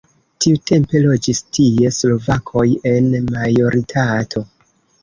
Tiutempe loĝis tie slovakoj en majoritato.